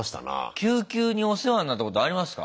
救急にお世話になったことありますか？